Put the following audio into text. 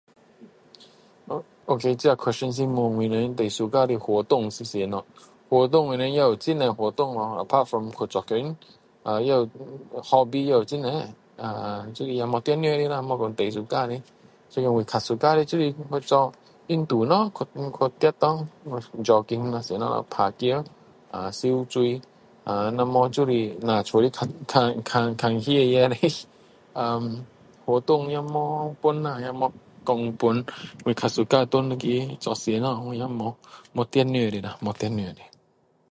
Ok这question 是问我们最喜欢的活动是什么活动我们也有很多活动哦apart from做工也有hobby也有很多就是说不一定啦没有说最喜欢的是说我较喜欢的就是我去做运动咯去跑咯jogging什么咯打球游戏啊不然就是在家里看戏也可以啊活动也没分啦也没分哪一个我比较喜欢做什么我也不一定的啦不一定的